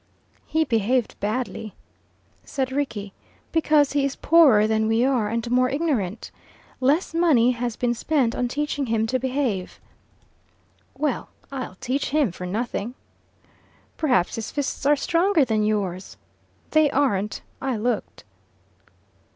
"He behaved badly," said Rickie, "because he is poorer than we are, and more ignorant. Less money has been spent on teaching him to behave." "Well, I'll teach him for nothing." "Perhaps his fists are stronger than yours!" "They aren't. I looked."